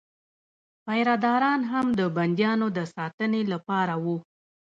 پیره داران هم د بندیانو د ساتنې لپاره وو.